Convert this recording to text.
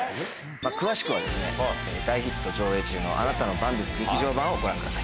詳しくはですね、大ヒット上映中のあなたの番です劇場版をご覧ください。